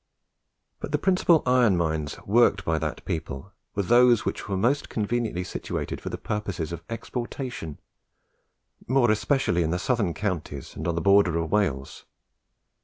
But the principal iron mines worked by that people were those which were most conveniently situated for purposes of exportation, more especially in the southern counties and on the borders of Wales.